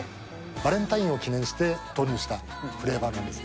バレンタインを記念して登場したフレーバーなんです。